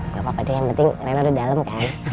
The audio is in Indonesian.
gapapa deh yang penting rena udah dalem kan